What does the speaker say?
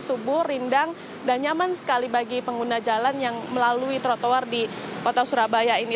subur rindang dan nyaman sekali bagi pengguna jalan yang melalui trotoar di kota surabaya ini